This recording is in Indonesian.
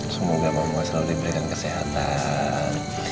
semoga mama selalu diberikan kesehatan